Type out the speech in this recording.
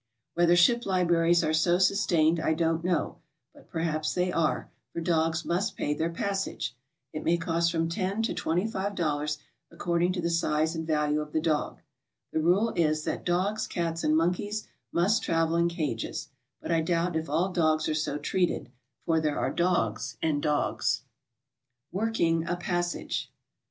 50 GOING ABROAD? Whether ship libraries are so sustained I don't kno w, but perhaps they are, for dogs must pay their passage. It may cost from $io to $25, according to the size and value of the dog. The rule is that dogs, cats and monkeys must travel in cages, but I doubt if all dogs are so treated, for there are dogs and dogs. WORKING A PASSAGE.